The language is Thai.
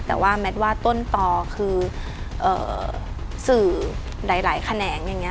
แต่ว่าแมทว่าต้นตอคือสื่อหลายแขนง